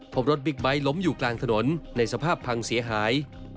พบรถบิ๊กไบท์ล้มอยู่กลางถนนในสภาพพังเสียหาย